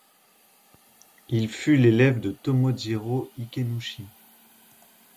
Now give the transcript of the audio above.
Il fut l'élève de Tomojirô Ikenouchi.